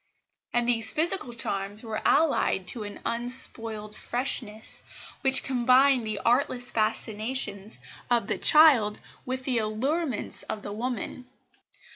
And these physical charms were allied to an unspoiled freshness, which combined the artless fascinations of the child with the allurements of the woman.